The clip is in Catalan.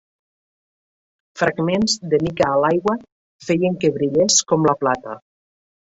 Fragments de mica a l'aigua feien que brillés com la plata.